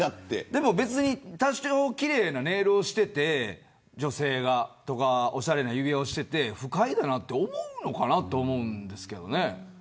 でも、別に多少奇麗なネイルをしていて女性がおしゃれな指輪をしていて不快だなと思うのかなと思うんですが。